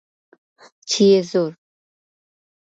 چي یې زور